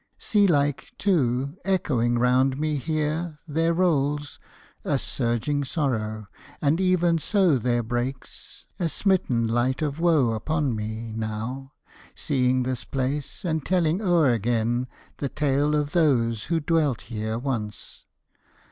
Sea like, too, echoing round me here there rolls A surging sorrow; and even so there breaks A smitten light of woe upon me, now, Seeing this place, and telling o'er again The tale of those who dwelt here once.